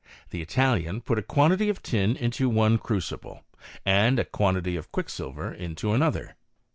The Italian put a quantity of tin into one crucible, and a quantity of quicksilver into another.